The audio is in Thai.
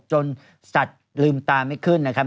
สัตว์ลืมตาไม่ขึ้นนะครับ